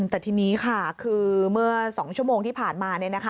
แต่ทีนี้ค่ะคือเมื่อ๒ชั่วโมงที่ผ่านมา